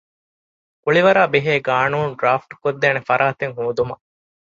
ކުޅިވަރާބެހޭ ޤާނޫނު ޑްރާފްޓްކޮށްދޭނެ ފަރާތެއް ހޯދުމަށް